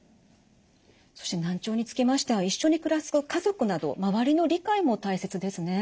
そして難聴につきましては一緒に暮らす家族など周りの理解も大切ですね。